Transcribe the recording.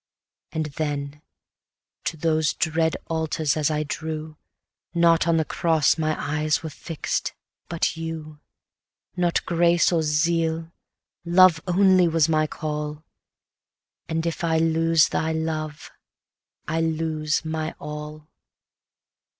Yet then, to those dread altars as I drew, Not on the cross my eyes were fix'd, but you: Not grace, or zeal, love only was my call, And if I lose thy love, I lose my all.